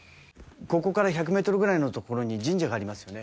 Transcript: ここから１００ｍぐらいのところに神社がありますよね